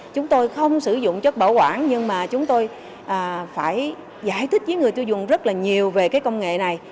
chúng tôi không sử dụng chất bảo quản nhưng mà chúng tôi phải giải thích với người tiêu dùng rất là nhiều về cái công nghệ này